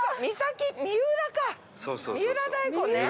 三浦か。